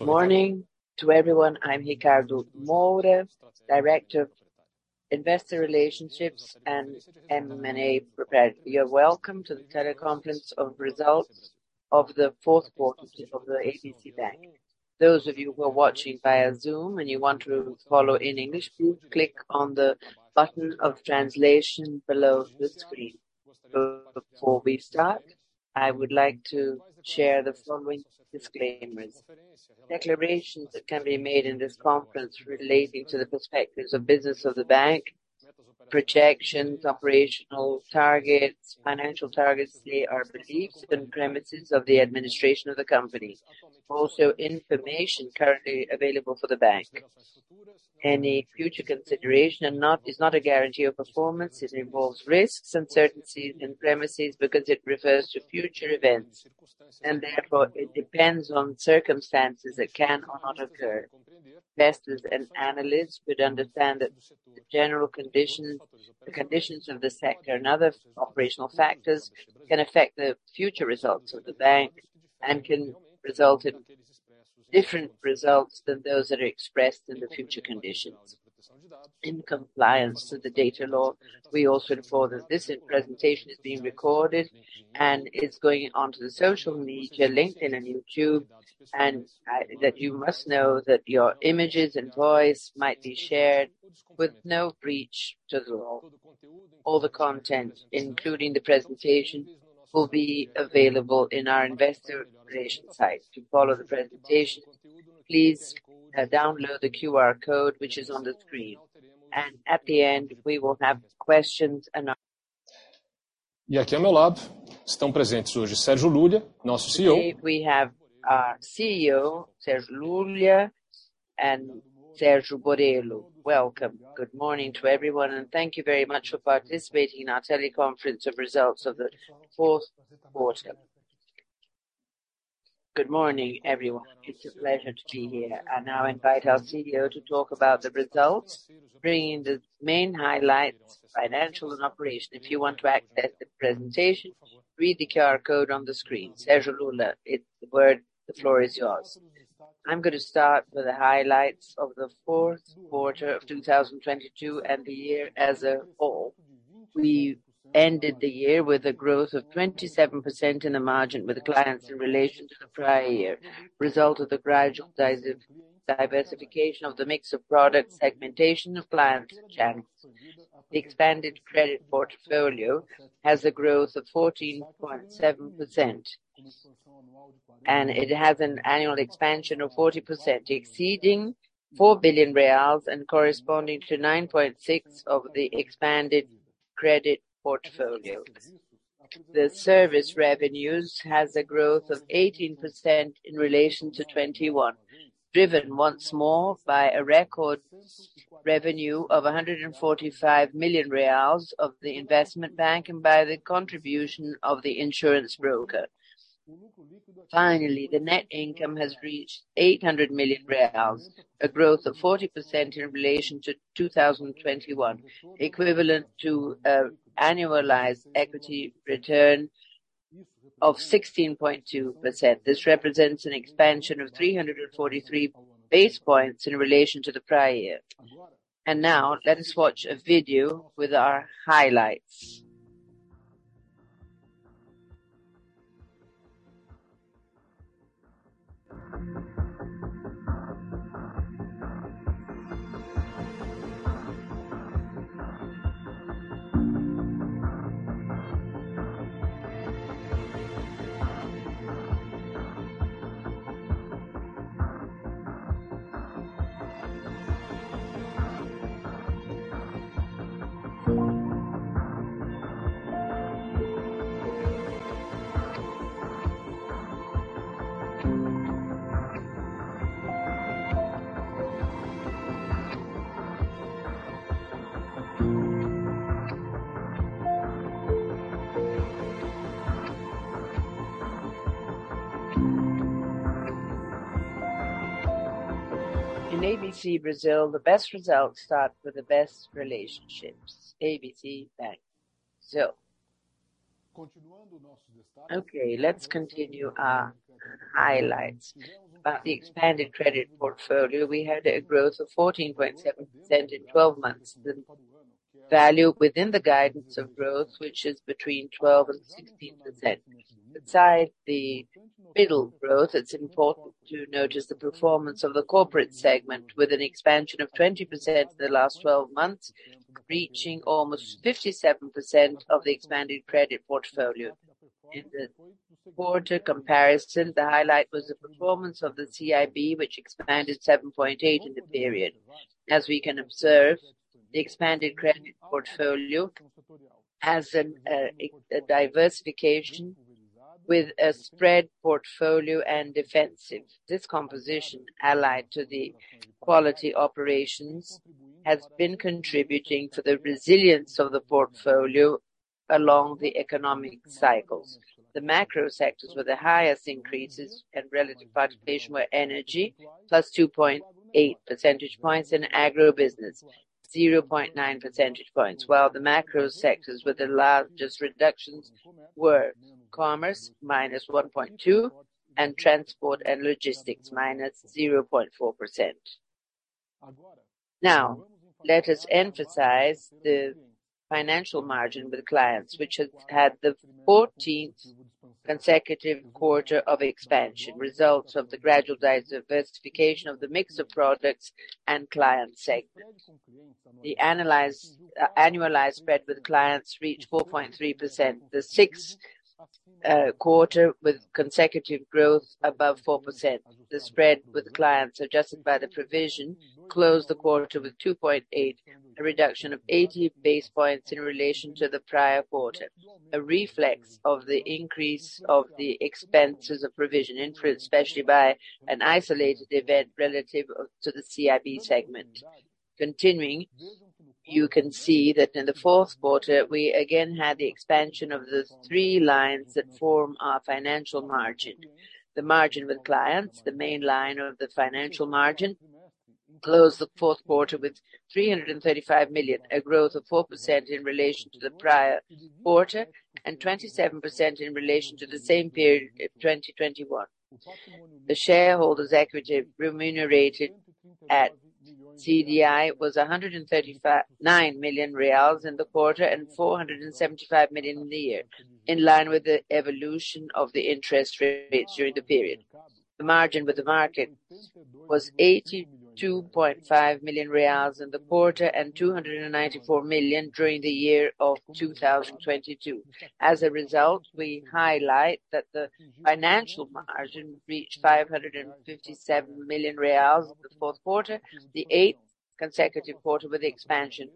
Morning to everyone. I'm Ricardo Moura, Director of Investor Relationships and M&A. You're welcome to the teleconference of results of the fourth quarter of the Banco ABC Brasil. Those of you who are watching via Zoom and you want to follow in English, please click on the button of translation below the screen. Before we start, I would like to share the following disclaimers. Declarations that can be made in this conference relating to the perspectives of business of the bank, projections, operational targets, financial targets, they are beliefs and premises of the administration of the company. Also, information currently available for the bank. Any future consideration is not a guarantee of performance. It involves risks, uncertainties, and premises because it refers to future events and therefore it depends on circumstances that can or not occur. Investors and analysts would understand that the general condition, the conditions of the sector and other operational factors can affect the future results of the bank and can result in different results than those that are expressed in the future conditions. In compliance to the data law, we also inform that this presentation is being recorded and is going onto the social media, LinkedIn and YouTube, and that you must know that your images and voice might be shared with no breach to the law. All the content, including the presentation, will be available in our investor relation site. To follow the presentation, please download the QR code, which is on the screen. At the end, we will have questions and answers. Today we have our CEO, Sérgio Lulia and Sérgio Borejo. Welcome. Good morning to everyone. Thank you very much for participating in our teleconference of results of the fourth quarter. Good morning, everyone. It's a pleasure to be here. I now invite our CEO to talk about the results, bringing the main highlights, financial and operation. If you want to access the presentation, read the QR code on the screen. Sérgio Lulia, the floor is yours. I'm going to start with the highlights of the fourth quarter of 2022 and the year as a whole. We ended the year with a growth of 27% in the margin with the clients in relation to the prior year, result of the gradual diversification of the mix of product segmentation of clients channels. The expanded credit portfolio has a growth of 14.7%, and it has an annual expansion of 40%, exceeding 4 billion reais and corresponding to 9.6 of the expanded credit portfolio. The service revenues has a growth of 18% in relation to 2021, driven once more by a record revenue of 145 million reais of the investment bank and by the contribution of the insurance broker. Finally, the net income has reached 800 million reais, a growth of 40% in relation to 2021, equivalent to annualized equity return of 16.2%. This represents an expansion of 343 basis points in relation to the prior year. Now let us watch a video with our highlights. In Banco ABC Brasil, the best results start with the best relationships, Banco ABC Brasil. Okay, let's continue our highlights. About the expanded credit portfolio, we had a growth of 14.7% in 12 months. The value within the guidance of growth, which is between 12% and 16%. Besides the middle growth, it's important to notice the performance of the corporate segment with an expansion of 20% in the last 12 months, reaching almost 57% of the expanded credit portfolio. In the quarter comparison, the highlight was the performance of the CIB, which expanded 7.8% in the period. As we can observe, the expanded credit portfolio has a diversification with a spread portfolio and defensive. This composition, allied to the quality operations, has been contributing to the resilience of the portfolio along the economic cycles. The macro sectors with the highest increases and relative participation were energy, plus 2.8 percentage points, and agribusiness, 0.9 percentage points. The macro sectors with the largest reductions were commerce, -1.2%, and transport and logistics, -0.4%. Let us emphasize the financial margin with clients, which has had the 14th consecutive quarter of expansion, results of the gradual diversification of the mix of products and client segments. The analyzed annualized spread with clients reached 4.3%, the sixth quarter with consecutive growth above 4%. The spread with clients adjusted by the provision closed the quarter with 2.8%, a reduction of 80 base points in relation to the prior quarter. A reflex of the increase of the expenses of provision influenced especially by an isolated event relative to the CIB segment. You can see that in the fourth quarter, we again had the expansion of the three lines that form our financial margin. The margin with clients, the main line of the financial margin, closed the fourth quarter with 335 million, a growth of 4% in relation to the prior quarter, and 27% in relation to the same period of 2021. The shareholders equity remunerated at CDI was 139 million reais in the quarter and 475 million in the year, in line with the evolution of the interest rates during the period. The margin with the market was 82.5 million reais in the quarter and 294 million during the year of 2022. We highlight that the financial margin reached 557 million reais in the fourth quarter, the eighth consecutive quarter with expansion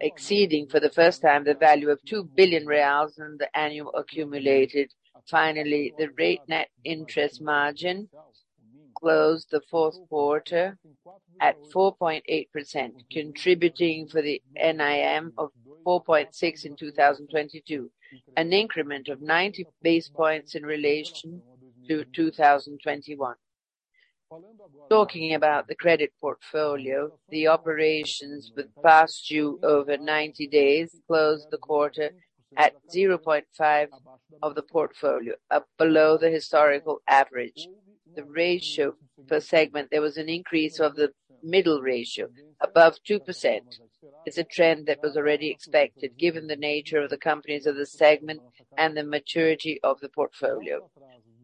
exceeding for the first time the value of 2 billion reais in the annual accumulated. The rate net interest margin closed the fourth quarter at 4.8%, contributing for the NIM of 4.6% in 2022, an increment of 90 basis points in relation to 2021. Talking about the credit portfolio, the operations with past due over 90 days closed the quarter at 0.5% of the portfolio, up below the historical average. The ratio per segment, there was an increase of the middle ratio above 2%. It's a trend that was already expected given the nature of the companies of the segment and the maturity of the portfolio.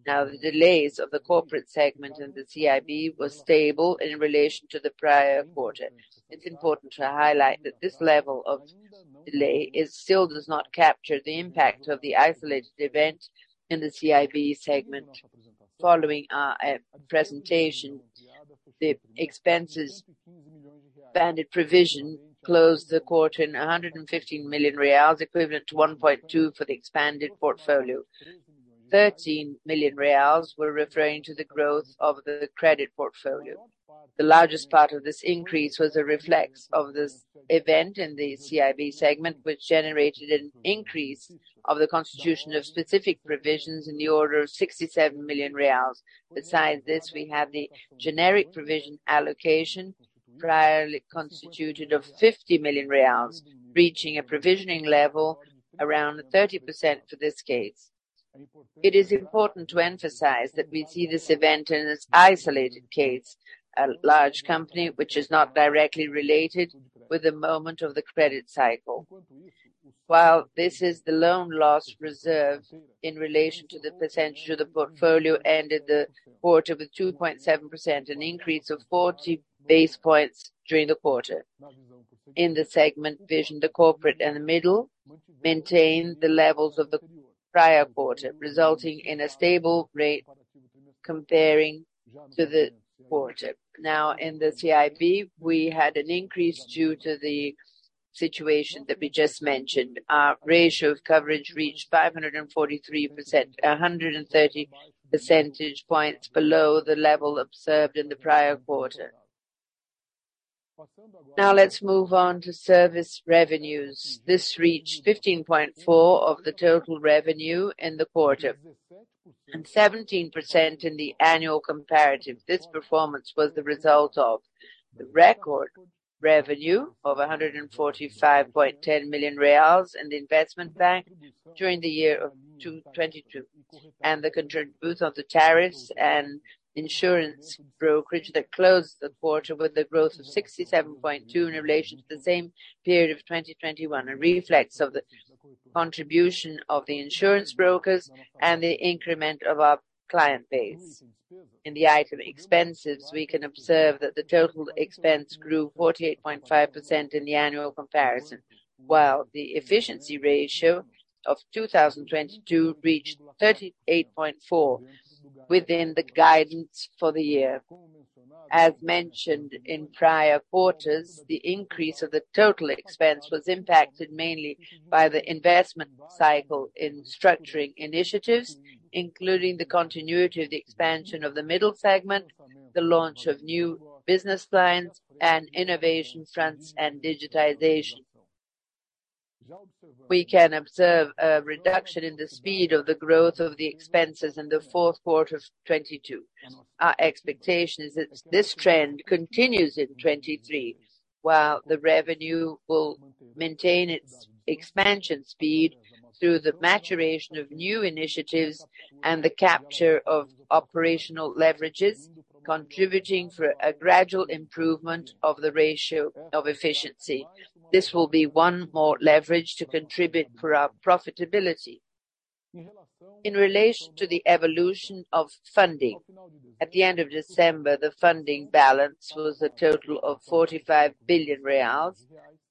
The delays of the corporate segment in the CIB was stable in relation to the prior quarter. It's important to highlight that this level of delay is still does not capture the impact of the isolated event in the CIB segment. Following our presentation, the expenses banded provision closed the quarter in 115 million reais, equivalent to 1.2 for the expanded portfolio. 13 million reais were referring to the growth of the credit portfolio. The largest part of this increase was a reflex of this event in the CIB segment, which generated an increase of the constitution of specific provisions in the order of 67 million reais. We have the generic provision allocation, priorly constituted of 50 million reais, reaching a provisioning level around 30% for this case. It is important to emphasize that we see this event in this isolated case, a large company which is not directly related with the moment of the credit cycle. This is the loan loss reserve in relation to the percentage of the portfolio ended the quarter with 2.7%, an increase of 40 basis points during the quarter. In the segment division, the corporate and the middle maintained the levels of the prior quarter, resulting in a stable rate comparing to the quarter. In the CIB, we had an increase due to the situation that we just mentioned. Our ratio of coverage reached 543%, 130 percentage points below the level observed in the prior quarter. Let's move on to service revenues. This reached 15.4 of the total revenue in the quarter and 17% in the annual comparative. This performance was the result of the record revenue of 145.10 million reais in the investment bank during the year of 2022, and both of the tariffs and insurance brokerage that closed the quarter with a growth of 67.2% in relation to the same period of 2021, a reflex of the contribution of the insurance brokers and the increment of our client base. In the item expenses, we can observe that the total expense grew 48.5% in the annual comparison, while the efficiency ratio of 2022 reached 38.4% within the guidance for the year. As mentioned in prior quarters, the increase of the total expense was impacted mainly by the investment cycle in structuring initiatives, including the continuity of the expansion of the middle segment, the launch of new business lines and innovation fronts and digitization. We can observe a reduction in the speed of the growth of the expenses in the fourth quarter of 2022. Our expectation is that this trend continues in 2023, while the revenue will maintain its expansion speed through the maturation of new initiatives and the capture of operational leverages, contributing for a gradual improvement of the ratio of efficiency. This will be one more leverage to contribute for our profitability. In relation to the evolution of funding, at the end of December, the funding balance was a total of 45 billion reais,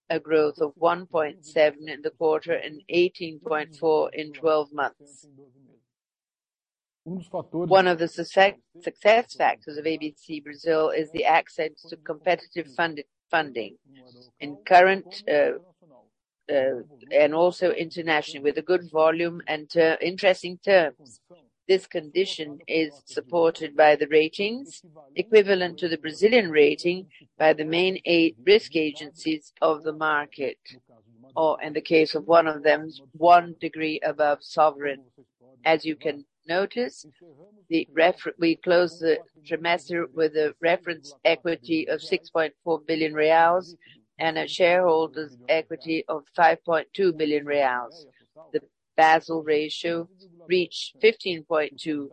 a growth of 1.7 in the quarter and 18.4 in 12 months. One of the success factors of Banco ABC Brasil is the access to competitive funding in current, and also internationally with a good volume and interesting terms. This condition is supported by the ratings equivalent to the Brazilian rating by the main eight risk agencies of the market, or in the case of one of them, one degree above sovereign. As you can notice, we closed the trimester with a reference equity of 6.4 billion reais and a shareholder's equity of 5.2 billion reais. The Basel ratio reached 15.2%.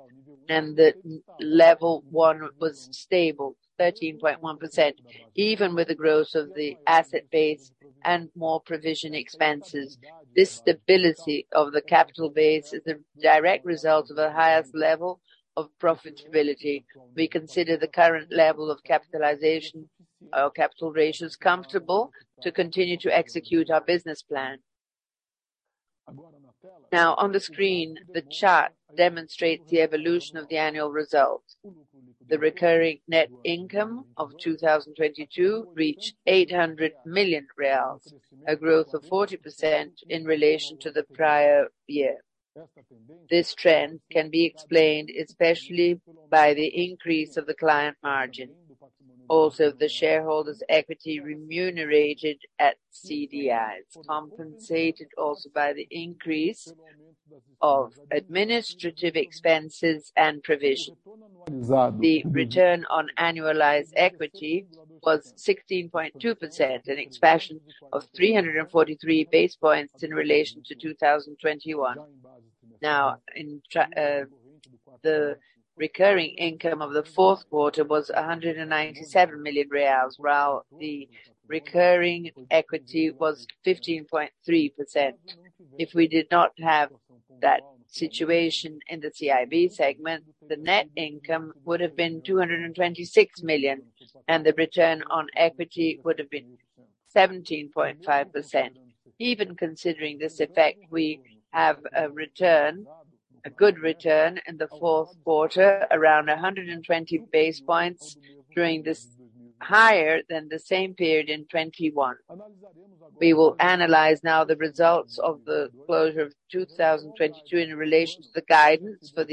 The Level one was stable, 13.1%, even with the growth of the asset base and more provision expenses. This stability of the capital base is a direct result of the highest level of profitability. We consider the current level of capitalization, or capital ratios, comfortable to continue to execute our business plan. On the screen, the chart demonstrates the evolution of the annual results. The recurring net income of 2022 reached 800 million reais, a growth of 40% in relation to the prior year. This trend can be explained especially by the increase of the client margin. The shareholders equity remunerated at CDIs, compensated also by the increase of administrative expenses and provision. The return on annualized equity was 16.2%, an expansion of 343 basis points in relation to 2021. The recurring income of the fourth quarter was 197 million reais, while the recurring equity was 15.3%. If we did not have that situation in the CIB segment, the net income would have been 226 million, and the return on equity would have been 17.5%. Even considering this effect, we have a return, a good return in the fourth quarter, around 120 basis points higher than the same period in 2021. We will analyze now the results of the closure of 2022 in relation to the guidance for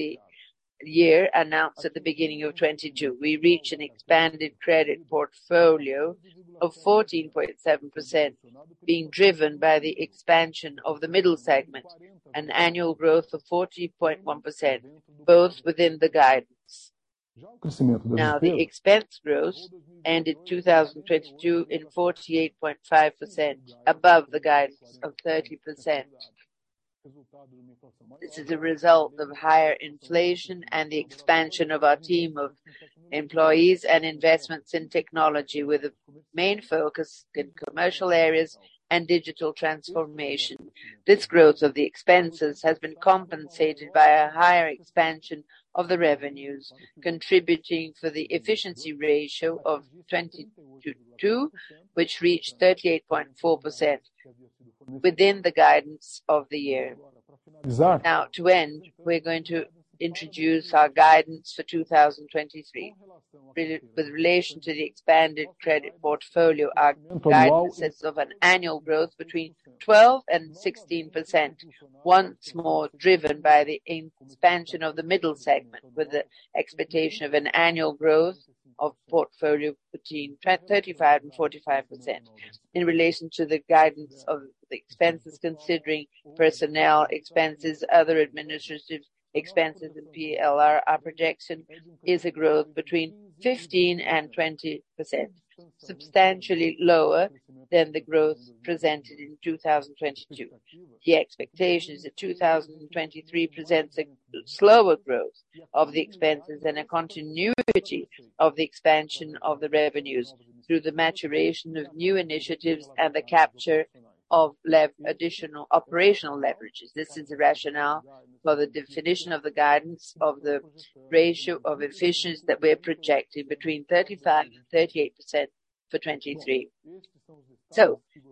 the year announced at the beginning of 2022. We reach an expanded credit portfolio of 14.7% being driven by the expansion of the middle segment, an annual growth of 14.1%, both within the guidance. The expense growth ended 2022 in 48.5% above the guidance of 30%. This is a result of higher inflation and the expansion of our team of employees and investments in technology, with the main focus in commercial areas and digital transformation. This growth of the expenses has been compensated by a higher expansion of the revenues, contributing to the efficiency ratio of 2022, which reached 38.4% within the guidance of the year. To end, we're going to introduce our guidance for 2023. With relation to the expanded credit portfolio, our guidance is of an annual growth between 12% and 16%, once more driven by the expansion of the middle segment with the expectation of an annual growth of portfolio between 35% and 45%. In relation to the guidance of the expenses, considering personnel expenses, other administrative expenses and PLR, our projection is a growth between 15% and 20%, substantially lower than the growth presented in 2022. The expectation is that 2023 presents a slower growth of the expenses and a continuity of the expansion of the revenues through the maturation of new initiatives and the capture of additional operational leverages. This is the rationale for the definition of the guidance of the ratio of efficiency that we're projecting between 35% and 38% for 2023.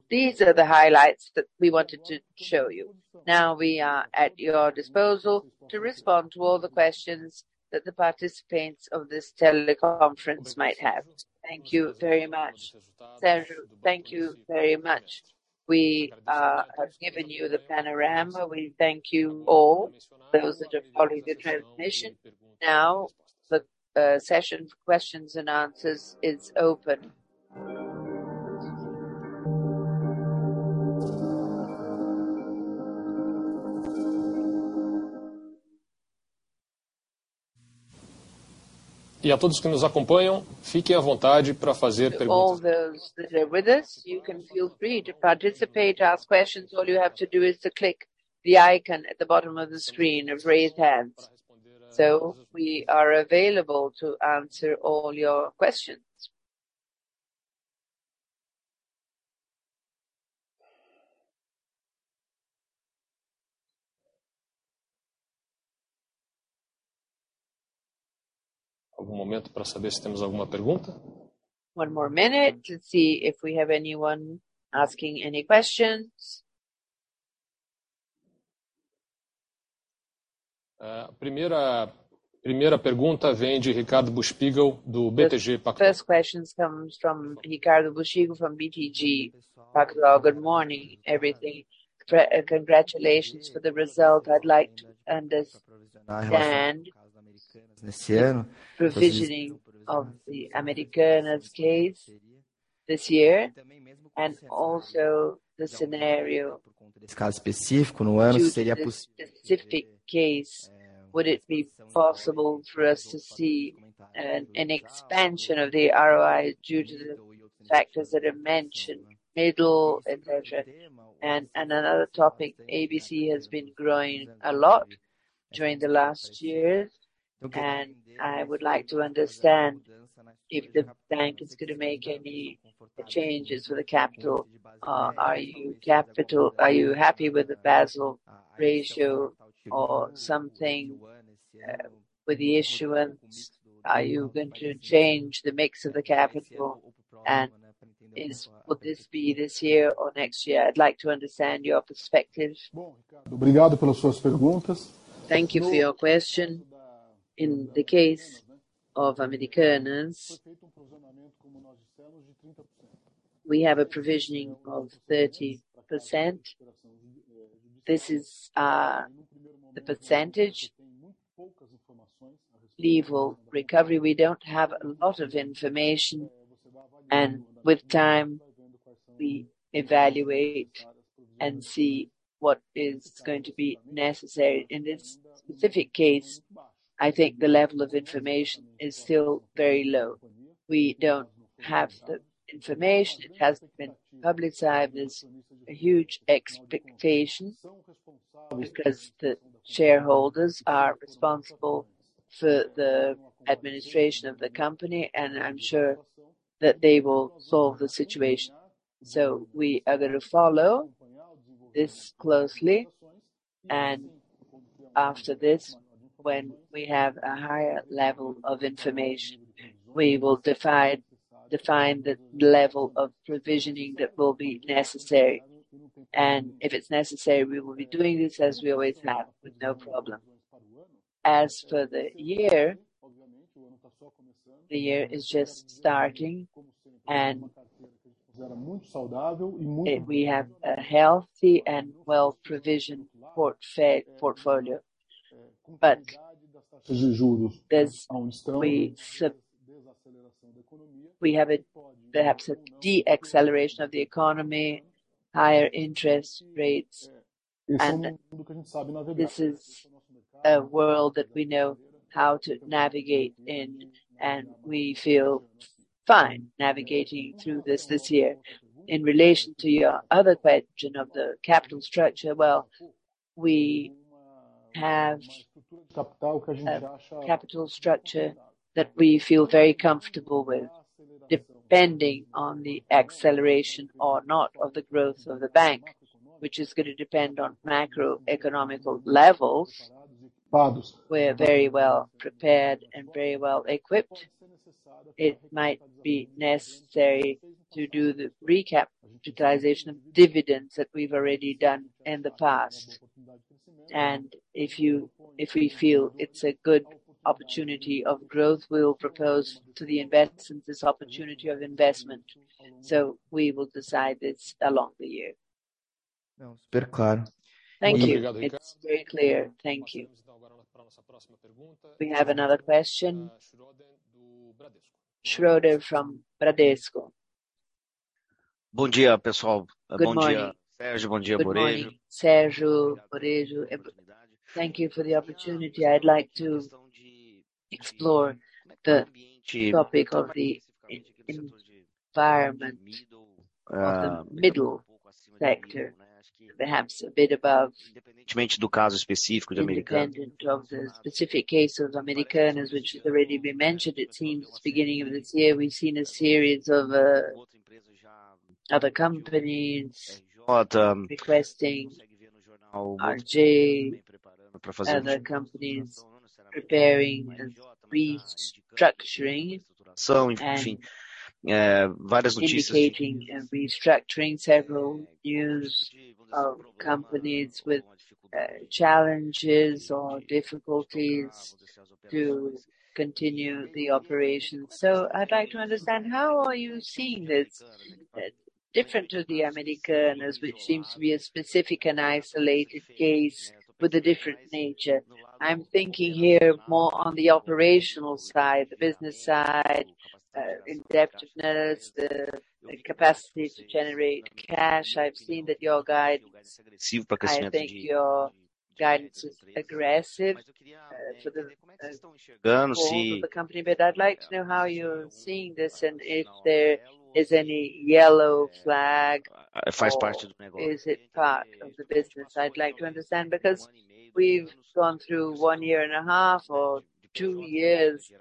These are the highlights that we wanted to show you. Now we are at your disposal to respond to all the questions that the participants of this teleconference might have. Thank you very much. Sérgio, thank you very much. We have given you the panorama. We thank you all, those that have followed the transmission. Now the session for questions and answers is open. To all those that are with us, you can feel free to participate, ask questions. All you have to do is to click the icon at the bottom of the screen of raised hands. We are available to answer all your questions. One more minute to see if we have anyone asking any questions. The first questions comes from Ricardo Buchpiguel from BTG Pactual. Good morning, everything. Congratulations for the result. I'd like to understand the provisioning of the Americanas case this year, and also the scenario. Due to the specific case, would it be possible for us to see an expansion of the ROI due to the factors that are mentioned, middle, et cetera. Another topic, ABC has been growing a lot during the last year. I would like to understand if the bank is going to make any changes for the capital. Are you happy with the Basel ratio or something, with the issuance? Are you going to change the mix of the capital? Would this be this year or next year? I'd like to understand your perspectives. Thank you for your question. In the case of Americanas, we have a provisioning of 30%. This is the percentage. Legal recovery, we don't have a lot of information, and with time, we evaluate and see what is going to be necessary. In this specific case, I think the level of information is still very low. We don't have the information. It hasn't been publicized. There's a huge expectation because the shareholders are responsible for the administration of the company, and I'm sure that they will solve the situation. We are gonna follow this closely, and after this, when we have a higher level of information, we will define the level of provisioning that will be necessary. If it's necessary, we will be doing this as we always have with no problem. As for the year, the year is just starting and we have a healthy and well-provisioned portfolio. As we have a, perhaps a deceleration of the economy, higher interest rates, and this is a world that we know how to navigate in, and we feel fine navigating through this year. In relation to your other question of the capital structure, well, we have a capital structure that we feel very comfortable with, depending on the acceleration or not of the growth of the bank, which is gonna depend on macroeconomic levels. We're very well prepared and very well equipped. It might be necessary to do the recapitalization of dividends that we've already done in the past. If we feel it's a good opportunity of growth, we will propose to the investors this opportunity of investment. We will decide this along the year. Thank you. It's very clear. Thank you. We have another question. Eric Ito from Bradesco. Good morning. Good morning, Sérgio. Borejo. Thank you for the opportunity. I'd like to explore the topic of the environment of the middle sector, perhaps a bit above. Independent of the specific case of Americanas, which has already been mentioned, it seems beginning of this year, we've seen a series of other companies requesting RJ, other companies preparing and restructuring and indicating and restructuring, several news of companies with challenges or difficulties to continue the operations. I'd like to understand how are you seeing this, different to the Americanas, which seems to be a specific and isolated case with a different nature. I'm thinking here more on the operational side, the business side, indebtedness, the capacity to generate cash. I've seen that your guide, I think your guidance was aggressive for the performance of the company. I'd like to know how you're seeing this and if there is any yellow flag or is it part of the business. I'd like to understand because we've gone through 1.5 years or two years.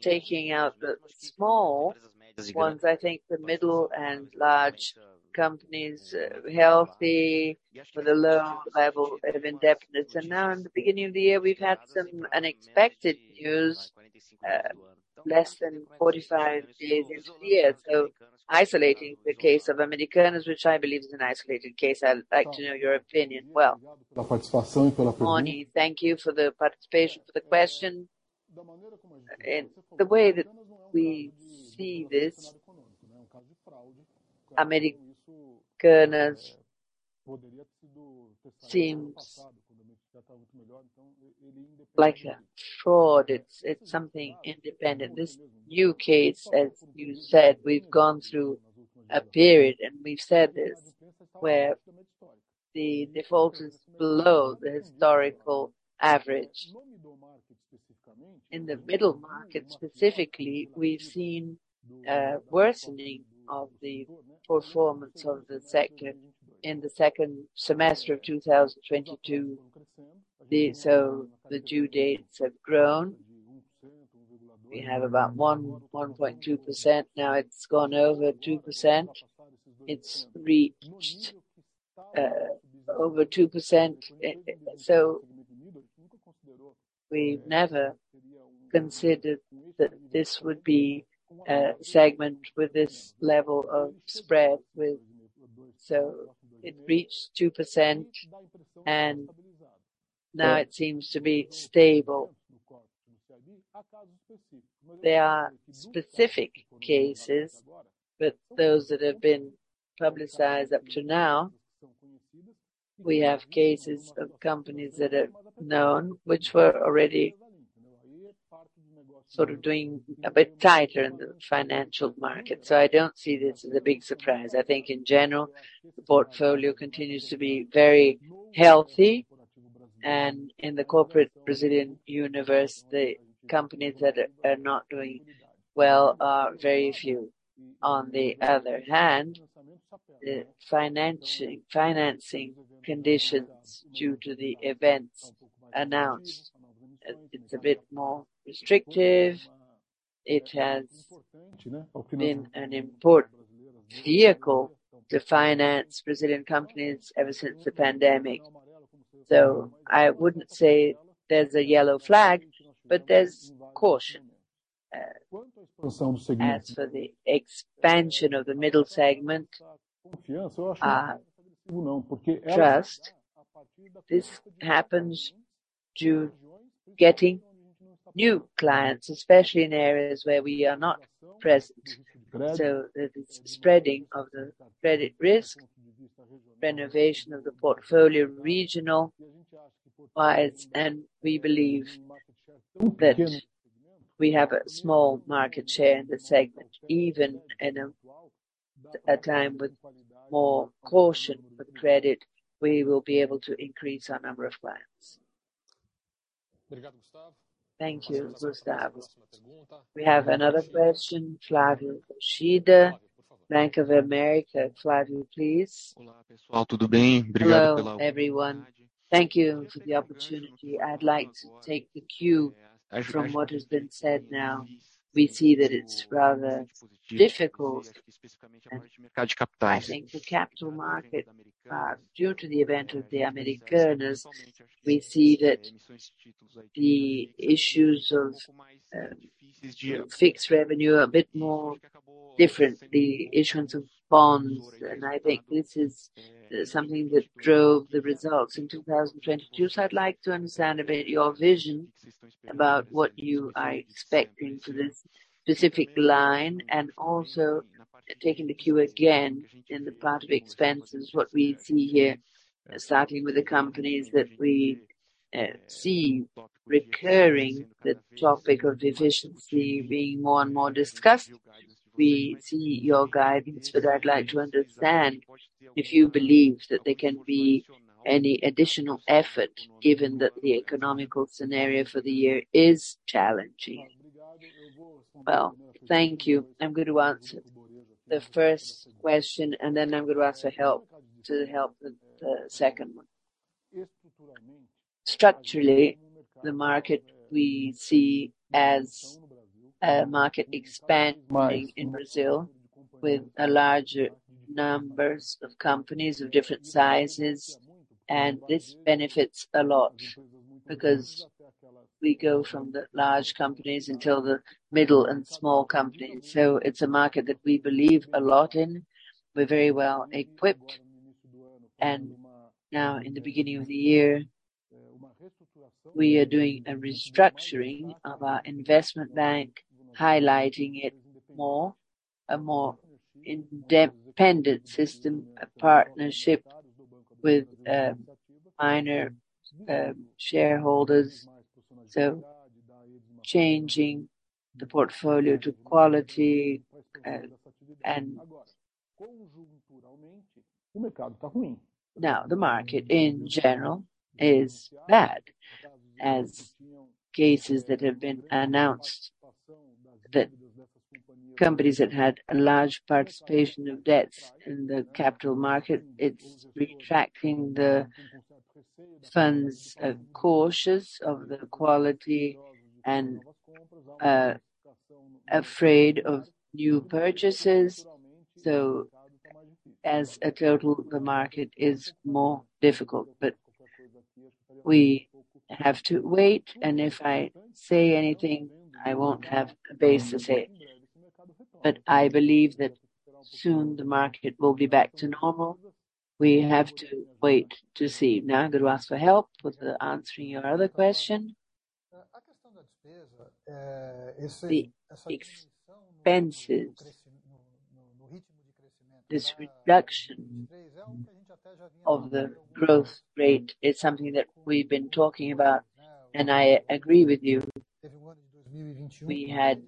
Taking out the small ones, I think the middle and large companies, healthy with a low level of indebtedness. Now in the beginning of the year, we've had some unexpected news, less than 45 days into the year. Isolating the case of Americanas, which I believe is an isolated case. I'd like to know your opinion. Well, thank you for the participation, for the question. The way that we see this, Americanas seems like a fraud. It's something independent. This new case, as you said, we've gone through a period, and we've said this, where the default is below the historical average. In the middle market specifically, we've seen a worsening of the performance in the second semester of 2022. The due dates have grown. We have about 1.2% now it's gone over 2%. It's reached over 2%. We've never considered that this would be a segment with this level of spread with... It reached 2% and now it seems to be stable. There are specific cases, but those that have been publicized up to now, we have cases of companies that are known, which were already sort of doing a bit tighter in the financial market. I don't see this as a big surprise. I think in general, the portfolio continues to be very healthy. In the corporate Brazilian universe, the companies that are not doing well are very few. On the other hand, the financing conditions due to the events announced, it's a bit more restrictive. It has been an important vehicle to finance Brazilian companies ever since the pandemic. I wouldn't say there's a yellow flag, but there's caution. As for the expansion of the middle segment, trust, this happens due getting new clients, especially in areas where we are not present. It's spreading of the credit risk, renovation of the portfolio regional wise, and we believe that we have a small market share in the segment. Even in a time with more caution for credit, we will be able to increase our number of clients. Thank you. We have another question. Flavio Koshiro, Bank of America. Flavio, please. Hello, everyone. Thank you for the opportunity. I'd like to take the cue from what has been said now. We see that it's rather difficult, I think the Capital Market, due to the event of the Americanas, we see that the issues of, you know, fixed revenue are a bit more different, the issuance of bonds, I think this is something that drove the results in 2022. I'd like to understand a bit your vision about what you are expecting for this specific line and also taking the cue again in the part of expenses, what we see here, starting with the companies that we see recurring the topic of efficiency being more and more discussed. We see your guidance, I'd like to understand if you believe that there can be any additional effort given that the economical scenario for the year is challenging. Thank you. I'm going to answer the first question, and then I'm gonna ask for help to help with the second one. Structurally, the market we see as a market expanding in Brazil with a larger numbers of companies of different sizes, and this benefits a lot because we go from the large companies until the middle and small companies. It's a market that we believe a lot in. We're very well equipped. Now in the beginning of the year, we are doing a restructuring of our investment bank, highlighting it more, a more independent system, a partnership with minor shareholders. Changing the portfolio to quality. Now the market in general is bad as cases that have been announced. Companies that had a large participation of debts in the Capital Market, it's retracting the funds, cautious of the quality and afraid of new purchases. As a total, the market is more difficult. We have to wait. If I say anything, I won't have a base to say. I believe that soon the market will be back to normal. We have to wait to see. Now, I'm gonna ask for help with answering your other question. The expenses, this reduction of the growth rate is something that we've been talking about. I agree with you. We had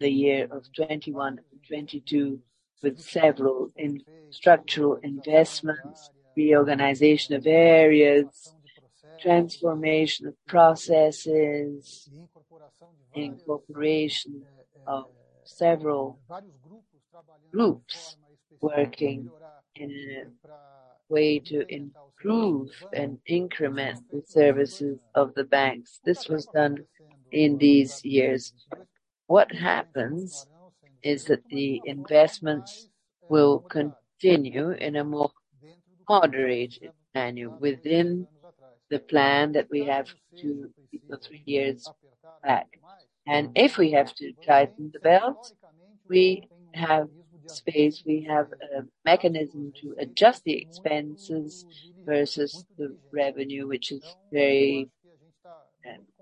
the year of 2021, 2022 with several infrastructural investments, reorganization of areas, transformation of processes, incorporation of several groups working in a way to improve and increment the services of the banks. This was done in these years. What happens is that the investments will continue in a more moderated annual within the plan that we have two years, three years back. If we have to tighten the belt, we have space, we have a mechanism to adjust the expenses versus the revenue, which is very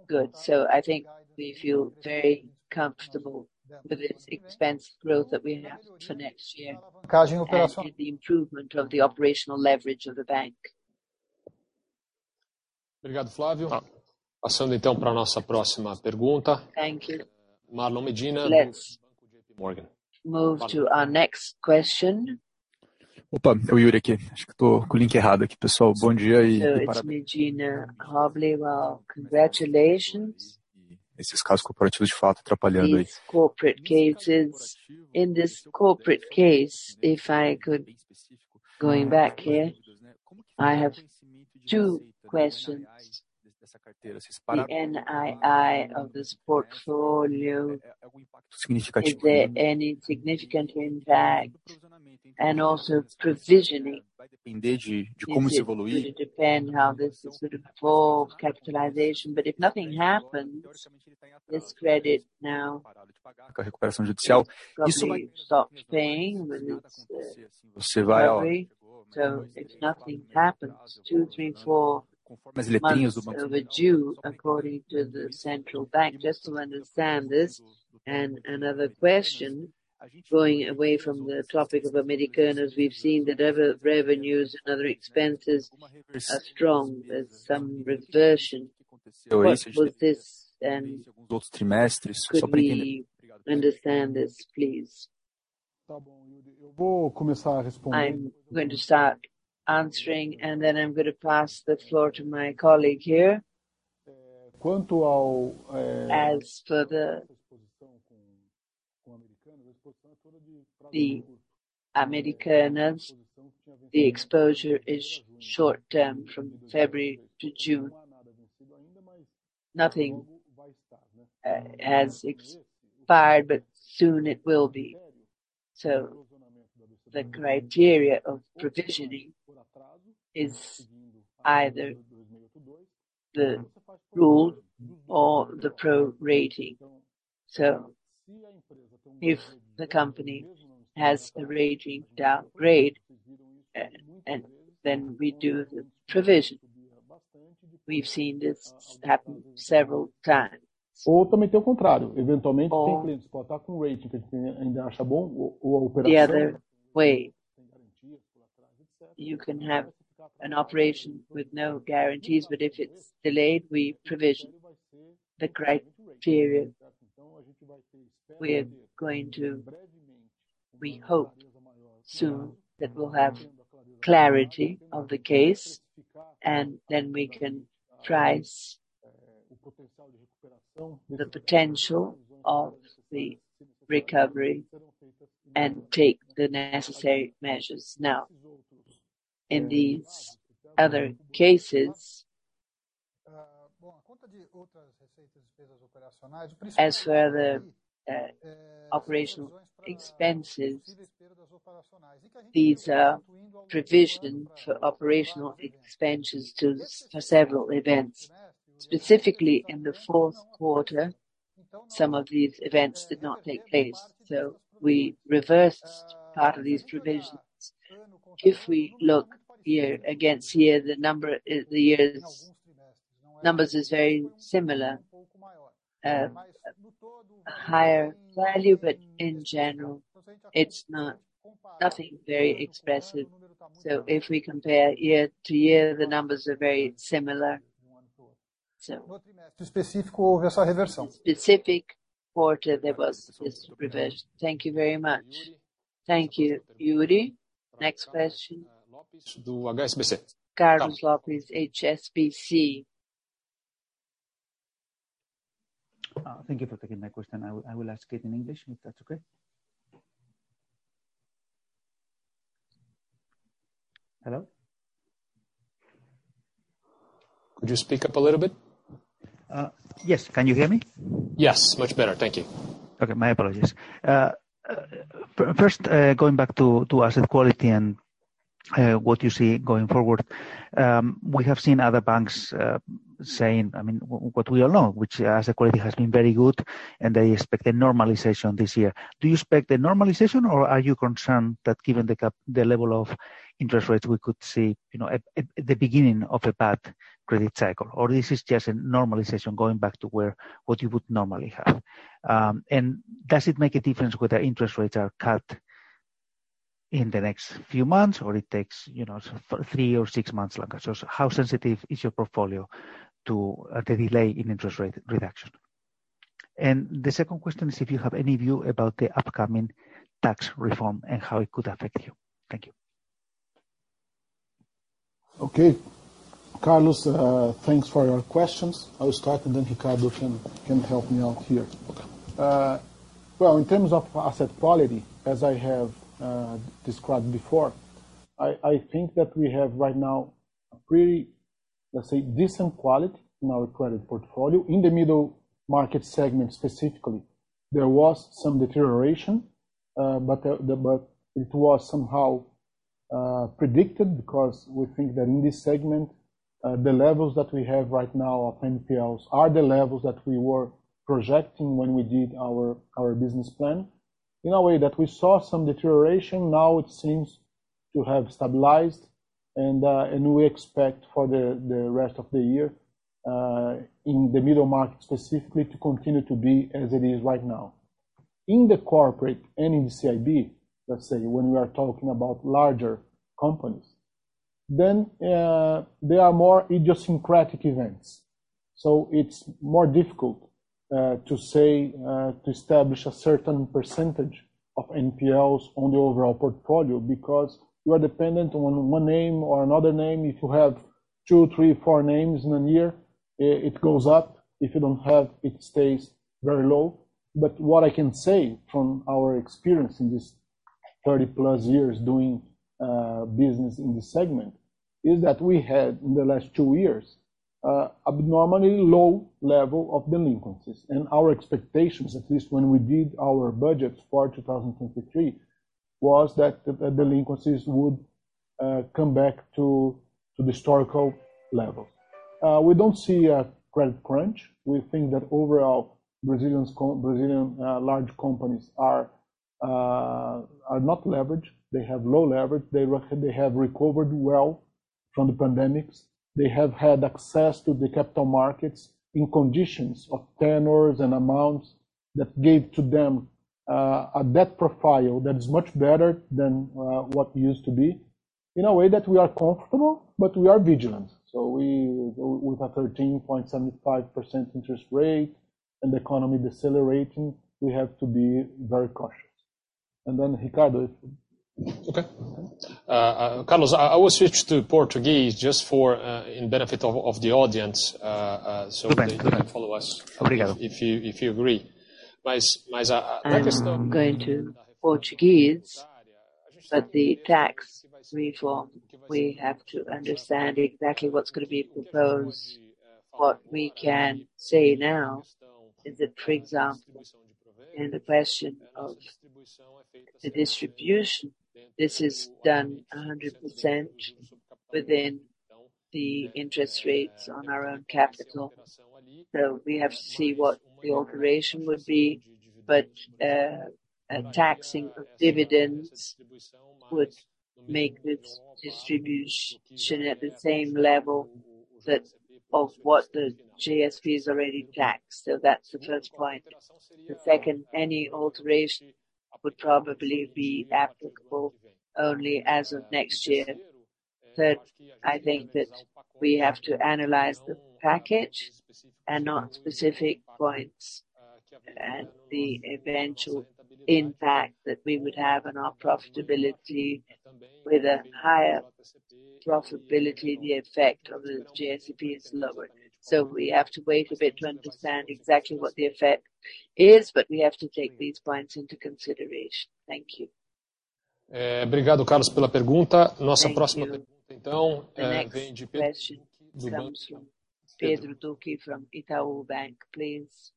good. I think we feel very comfortable with this expense growth that we have for next year and with the improvement of the operational leverage of the bank. Thank you, Flavio.. Let's move to our next question. Opa, é o Yuri aqui. Acho que tô com o link errado aqui, pessoal. Bom dia. It's Medina. Probably well. Congratulations. Esses casos corporativos, de fato, atrapalhando aí. These corporate cases. In this corporate case, if I could, going back here, I have two questions. The NII of this portfolio, is there any significant impact? Also provisioning. Does it really depend how this is sort of full capitalization? If nothing happens, this credit now is probably stopped paying with its recovery. If nothing happens, 2two months, three months, four months overdue according to the Central Bank. Just to understand this. Another question, going away from the topic of Americanas, we've seen that other revenues and other expenses are strong. There's some reversion. What was this and could we understand this, please? I'm going to start answering, and then I'm going to pass the floor to my colleague here. As for the Americanas, the exposure is short term from February to June. Nothing has expired, but soon it will be. The criteria of provisioning is either the rule or the pro-rating. If the company has a rating downgrade, and then we do the provision. We've seen this happen several times. The other way, you can have an operation with no guarantees, but if it's delayed, we provision the criteria. We hope soon that we'll have clarity of the case, and then we can price the potential of the recovery and take the necessary measures. In these other cases, as for the operational expenses, these are provision for operational expenses for several events. Specifically, in the fourth quarter, some of these events did not take place, we reversed part of these provisions. If we look year against year, the number, the years, numbers is very similar. A higher value, in general, it's not nothing very expressive. If we compare year-to-year, the numbers are very similar. The specific quarter, there was this reversion. Thank you very much. Thank you, Lulia. Next question. Carlos Gomez-Lopez, HSBC. Thank you for taking my question. I will ask it in English, if that's okay. Hello? Could you speak up a little bit? yes. Can you hear me? Yes, much better. Thank you. Okay, my apologies. First, going back to asset quality and what you see going forward. We have seen other banks saying, I mean, what we all know, which asset quality has been very good, and they expect a normalization this year. Do you expect a normalization or are you concerned that given the level of interest rates we could see, you know, at the beginning of a bad credit cycle? This is just a normalization going back to where, what you would normally have? Does it make a difference whether interest rates are cut in the next few months or it takes, you know, three months or six months longer? How sensitive is your portfolio to the delay in interest rate reduction? The second question is if you have any view about the upcoming tax reform and how it could affect you. Thank you. Carlos, thanks for your questions. I'll start and then Ricardo can help me out here. Well, in terms of asset quality, as I have described before, I think that we have right now a pretty, let's say, decent quality in our credit portfolio. In the middle market segment specifically, there was some deterioration, but it was somehow predicted because we think that in this segment, the levels that we have right now of NPLs are the levels that we were projecting when we did our business plan. In a way that we saw some deterioration, now it seems to have stabilized and we expect for the rest of the year, in the middle market specifically to continue to be as it is right now. In the corporate and in the CIB, let's say, when we are talking about larger companies, then there are more idiosyncratic events. It's more difficult to say, to establish a certain percentage of NPLs on the overall portfolio because you are dependent on one name or another name. If you have two, three, four names in a year, it goes up. If you don't have, it stays very low. What I can say from our experience in this 30+ years doing business in this segment, is that we had, in the last two years, abnormally low level of delinquencies. Our expectations, at least when we did our budget for 2023, was that the delinquencies would come back to the historical level. We don't see a credit crunch. We think that overall, Brazilian large companies are not leveraged. They have low leverage. They have recovered well from the pandemic. They have had access to the Capital Markets in conditions of tenors and amounts that gave to them a debt profile that is much better than what used to be. In a way that we are comfortable, but we are vigilant. With a 13.75% interest rate and the economy decelerating, we have to be very cautious. Ricardo. Okay. Carlos, I will switch to Portuguese just for in benefit of the audience. Okay. they can follow us. Obrigado. If you agree. Mais. I'm going to Portuguese. The tax reform, we have to understand exactly what's gonna be proposed. What we can say now is that, for example, in the question of the distribution, this is done 100% within the interest rates on our own capital. We have to see what the alteration would be. A taxing of dividends would make this distribution at the same level of what the GSP has already taxed. That's the first point. The second, any alteration would probably be applicable only as of next year. Third, I think that we have to analyze the package and not specific points, the eventual impact that we would have on our profitability. With a higher profitability, the effect of the GSP is lower. We have to wait a bit to understand exactly what the effect is, but we have to take these points into consideration. Thank you. obrigado, Carlos, pela pergunta. Nossa próxima pergunta, então, vem de Pedro Leduc do Bank-. The next question comes from Pedro Leduc from Itaú BBA, please.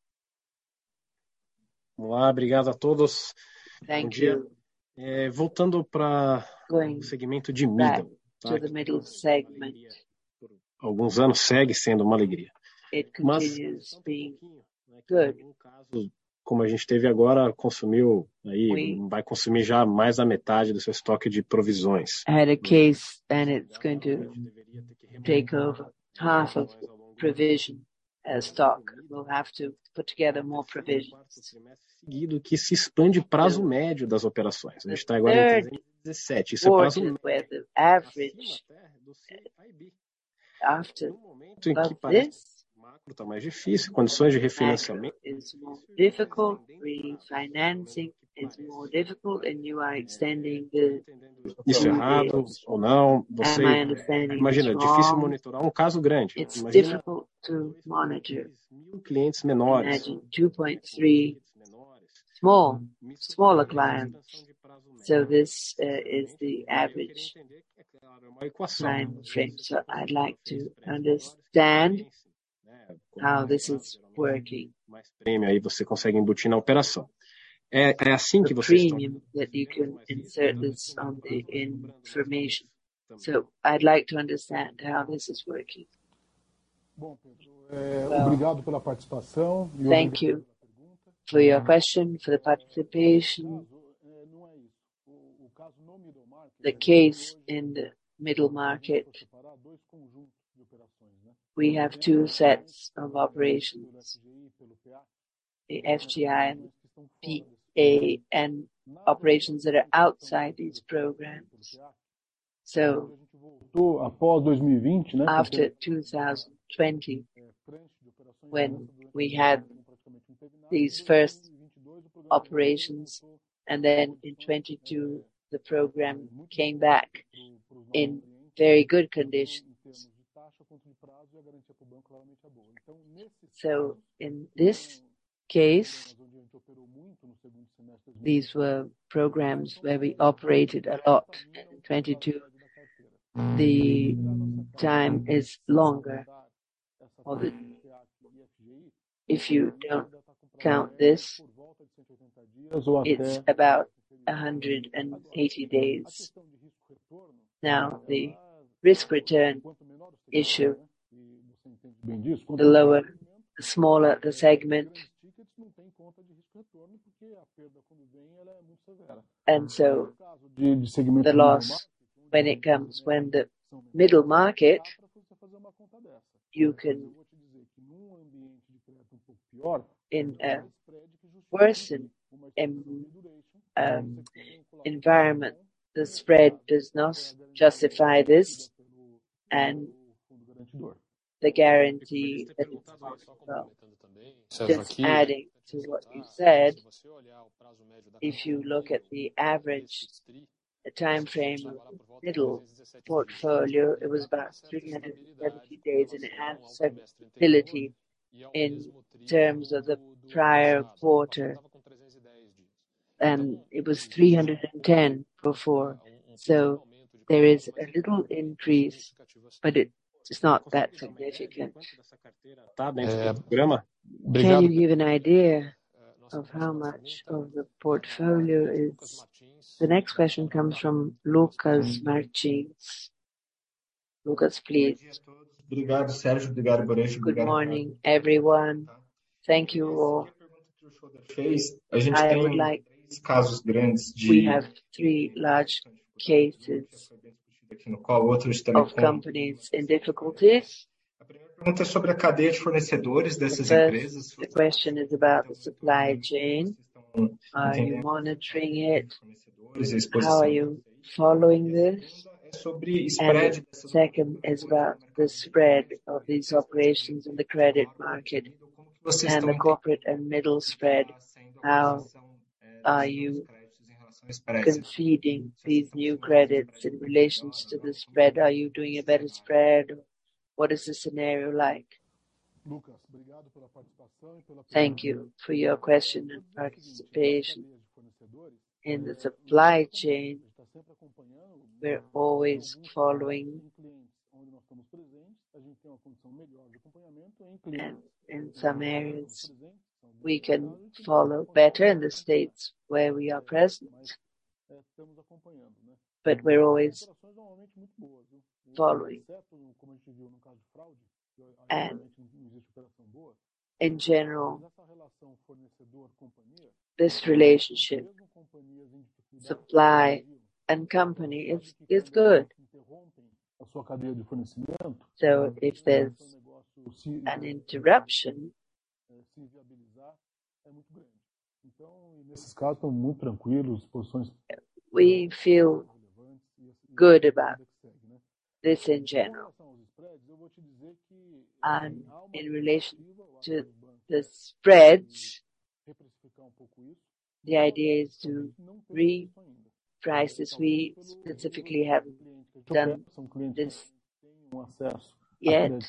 Olá. Obrigado a todos. Bom dia. Thank you. voltando pra o segmento de middle. Going back to the middle segment. Alguns anos segue sendo uma alegria. It continues being good. Como a gente teve agora, consumiu aí, vai consumir já mais da metade do seu estoque de provisões. We had a case, and it's going to take over half of provision as stock. We'll have to put together more provisions. Seguido que se expande o prazo médio das operações. A gente tá agora em 2017. The third quarter where the average after of this. Macro tá mais difícil, condições de refinanciamento. is more difficult, refinancing is more difficult, and you are extending the NPLs. Am I understanding wrong? Imagina. Difícil monitorar um caso grande. It's difficult to monitor. Imagine 2.3. Imagine 2.3 smaller clients. This is the average time frame. I'd like to understand how this is working. A premium that you can insert this on the information. I'd like to understand how this is working. Well, thank you for your question, for the participation. The case in the middle market, we have two sets of operations. The FGI and PAN operations that are outside these programs. After 2020, when we had these first operations, in 2022, the program came back in very good conditions. In this case, these were programs where we operated a lot in 2022. The time is longer of it. If you don't count this, it's about 180 days. Now, the risk return issue, the smaller the segment. The loss when it comes, when the middle market, in a worsened environment, the spread does not justify this and the guarantee that it's marked well. Adding to what you said, if you look at the average timeframe of the middle portfolio, it was about 370 days, and it has stability in terms of the prior quarter. It was 310 before. There is a little increase, but it's not that significant. Can you give an idea of how much of the portfolio is. The next question comes from Lucas Martins. Lucas, please. Good morning, everyone. Thank you all. We have three large cases of companies in difficulties. The first, the question is about the supply chain. Are you monitoring it? How are you following this? Second is about the spread of these operations in the credit market and the corporate and middle spread. How are you conceding these new credits in relations to the spread? Are you doing a better spread? What is the scenario like? Lucas, Thank you for your question and participation. In the supply chain, we're always following. In some areas, we can follow better in the states where we are present. We're always following. In general, this relationship, supply and company is good. If there's an interruption, we feel good about this in general. In relation to the spreads, the idea is to reprice this. We specifically haven't done this yet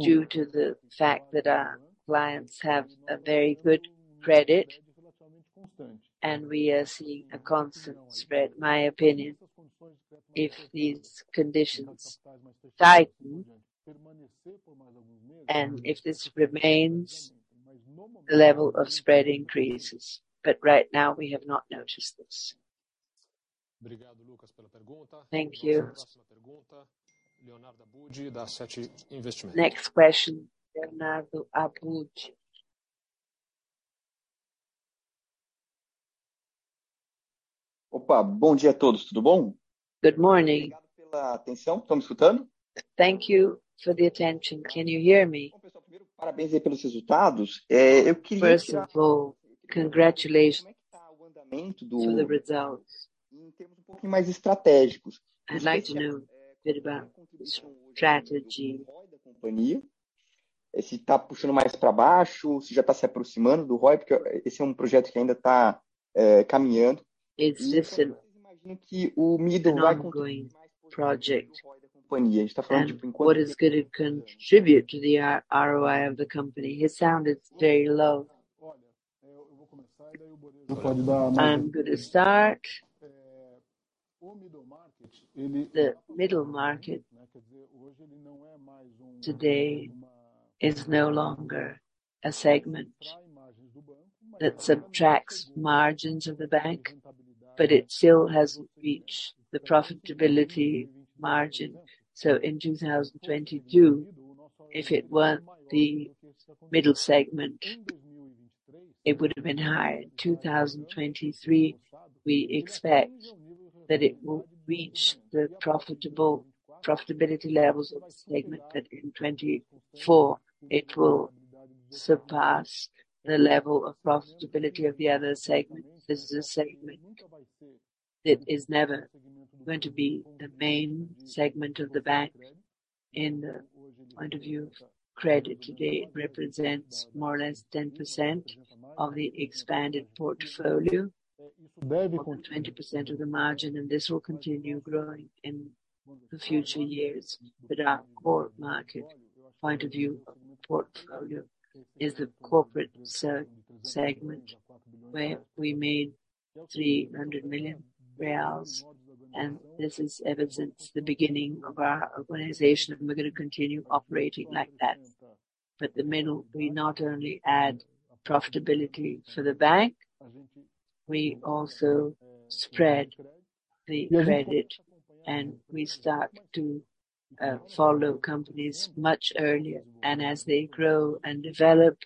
due to the fact that our clients have a very good credit, and we are seeing a constant spread. My opinion, if these conditions tighten and if this remains, the level of spread increases. Right now, we have not noticed this. Thank you. Next question, Bernardo Guttman. Opa. Good morning. Thank you for the attention. Can you hear me? First of all, congratulations to the results. I'd like to know about strategy. An ongoing project. What is going to contribute to the ROI of the company. It sounded very low. I'm gonna start. The middle market today is no longer a segment that subtracts margins of the bank, but it still hasn't reached the profitability margin. In 2022, if it weren't the middle segment, it would've been higher. In 2023, we expect that it will reach the profitability levels of the segment, that in 2024 it will surpass the level of profitability of the other segments. This is a segment that is never going to be the main segment of the bank. In the point of view of credit, today it represents more or less 10% of the expanded portfolio, more than 20% of the margin, and this will continue growing in the future years. Our core market point of view of portfolio is the corporate segment, where we made 300 million reais, and this is ever since the beginning of our organization, and we're gonna continue operating like that. The middle will not only add profitability for the bank, we also spread the credit, and we start to follow companies much earlier. As they grow and develop,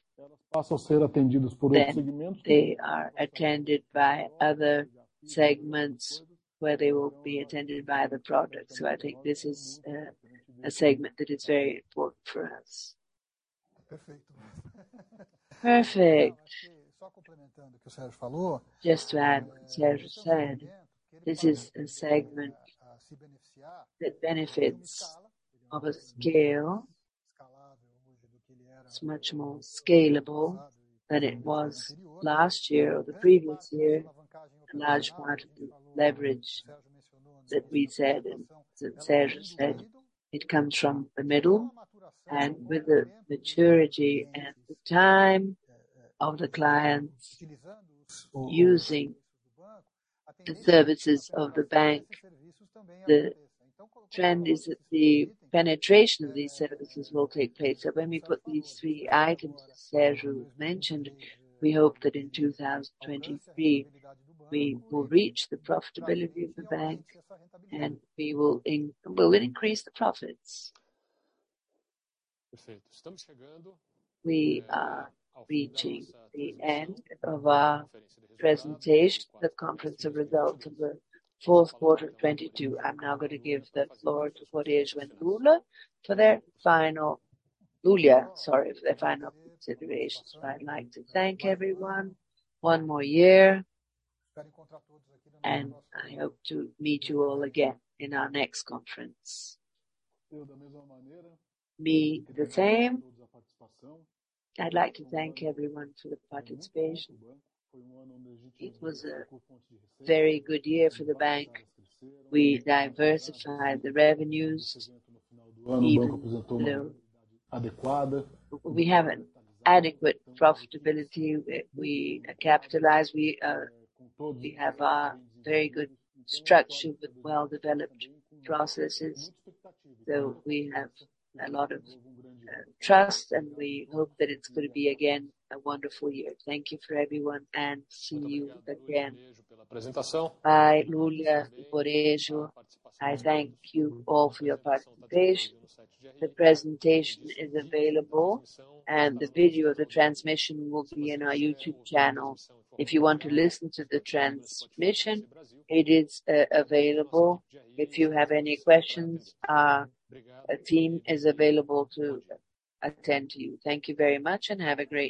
then they are attended by other segments where they will be attended by other products. I think this is a segment that is very important for us. Perfect. Just to add, as Sérgio said, this is a segment that benefits of a scale. It's much more scalable than it was last year or the previous year. A large part of the leverage that we said and that Sérgio said, it comes from the middle. With the maturity and the time of the clients using the services of the bank, the trend is that the penetration of these services will take place. When we put these three items that Sérgio mentioned, we hope that in 2023, we will reach the profitability of the bank, and we will increase the profits. We are reaching the end of our presentation, the conference of results of the fourth quarter 2022. I'm now going to give the floor to Ricardo and Lulia for their final considerations. I'd like to thank everyone one more year, and I hope to meet you all again in our next conference. Me, the same. I'd like to thank everyone for the participation. It was a very good year for the bank. We diversified the revenues even, you know, we have an adequate profitability. We capitalize. We have a very good structure with well-developed processes. We have a lot of trust, and we hope that it's gonna be again a wonderful year. Thank you for everyone. See you again. Bye, Lulia, Borejo. I thank you all for your participation. The presentation is available. The video of the transmission will be in our YouTube channel. If you want to listen to the transmission, it is available. If you have any questions, our team is available to attend to you. Thank you very much. Have a great day.